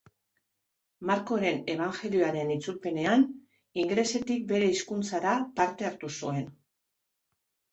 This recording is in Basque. Markoren ebanjelioaren itzulpenean, ingelesetik bere hizkuntzara, parte hartu zuen.